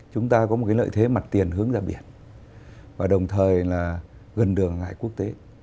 chúng ta có một cái lợi thế mặt tiền hướng ra biển và đồng thời là gần đường ngại quốc tế